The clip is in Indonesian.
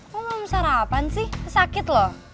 kok belum sarapan sih kesakit loh